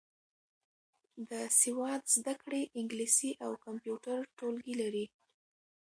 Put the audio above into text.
د سواد زده کړې انګلیسي او کمپیوټر ټولګي لري.